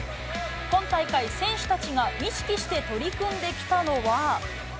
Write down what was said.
今大会、選手たちが意識して取り組んできたのは。